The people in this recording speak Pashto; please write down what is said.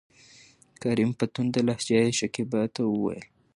کريم : په تنده لهجه يې شکيبا ته وويل: